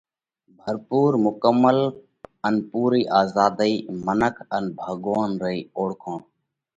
ڀرپُور، مڪمل ان پُورئِي آزاڌئِي منک ان ڀڳوونَ رئِي اوۯکوڻ: